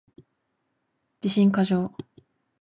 自信過剰